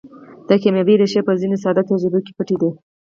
د کاميابۍ ريښې په ځينو ساده تجربو کې پټې دي.